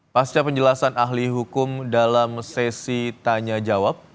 pasca penjelasan ahli hukum dalam sesi tanya jawab